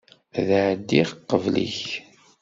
Ad ɛeddiɣ qbel-ik.